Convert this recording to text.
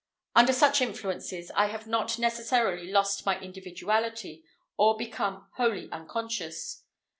Under such influences I have not necessarily lost my individuality, or become wholly unconscious.